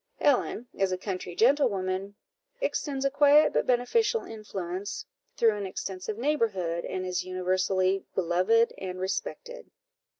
Ellen, as a country gentlewoman, extends a quiet but beneficial influence through an extensive neighbourhood, and is universally beloved and respected.